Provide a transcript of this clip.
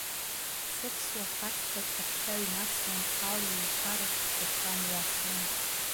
Сыԥсуа ԥацха аԥша ҩнасуан, алҩа еиқәараҿ схәыҷра мҩасуан.